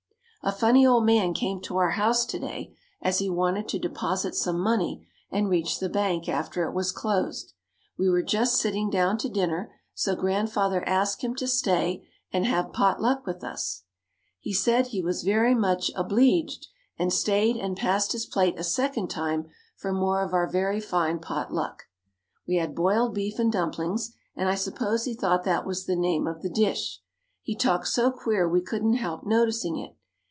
A funny old man came to our house to day as he wanted to deposit some money and reached the bank after it was closed. We were just sitting down to dinner so Grandfather asked him to stay and have "pot luck" with us. He said that he was very much "obleeged" and stayed and passed his plate a second time for more of our very fine "pot luck." We had boiled beef and dumplings and I suppose he thought that was the name of the dish. He talked so queer we couldn't help noticing it.